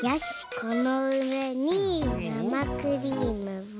このうえになまクリームは。